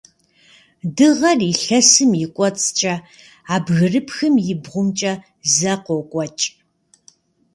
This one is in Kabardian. Дыгъэр илъэсым и кӏуэцӏкӏэ, а бгырыпхым и бгъумкӏэ зэ къокӏуэкӏ.